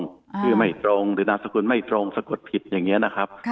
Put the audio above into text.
คือไม่ตรงหรือนามสกุลไม่ตรงสะกดผิดอย่างนี้นะครับ